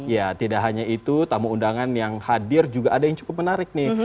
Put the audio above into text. ya tidak hanya itu tamu undangan yang hadir juga ada yang cukup menarik nih